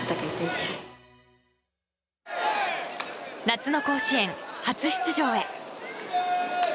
夏の甲子園初出場へ。